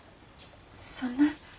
そんな。